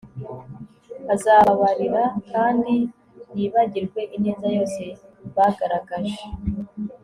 Azababarira kandi yibagirwe ineza yose bagaragaje